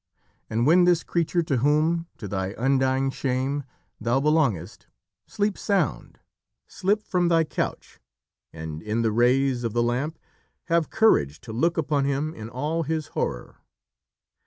And when this creature to whom, to thy undying shame, thou belongest, sleeps sound, slip from thy couch and in the rays of the lamp have courage to look upon him in all his horror.